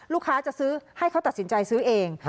ลูกค้าจะซื้อให้เขาตัดสินใจซื้อเอง